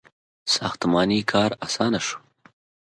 • ساختماني کار آسانه شو.